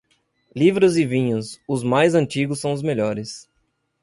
Livros e vinhos, os mais antigos são os melhores.